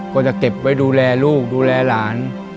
ก็จะเก็บไว้ดูแลลูกดูแลหลาน